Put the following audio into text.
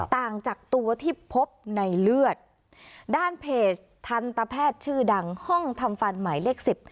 ต่างจากตัวที่พบในเลือดด้านเพจทันตแพทย์ชื่อดังห้องทำฟันหมายเลขสิบ